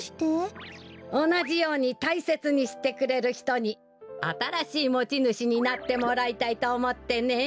おなじようにたいせつにしてくれるひとにあたらしいもちぬしになってもらいたいとおもってね。